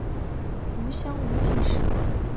吴襄武进士。